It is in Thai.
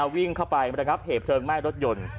วิ่งเข้าไปเหตุเผลอแม่รถยนต์